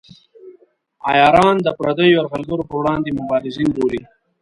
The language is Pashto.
عیاران د پردیو یرغلګرو پر وړاندې مبارزین بولي.